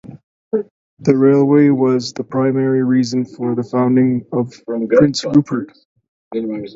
The railway was the primary reason for the founding of Prince Rupert.